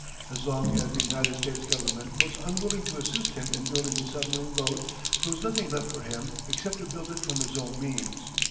As long as the United States Government was unwilling to assist him in building his submarine boat, there was nothing left for him except to build it from his own means.